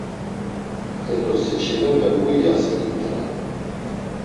E do seçimepe mu iyasen himdora?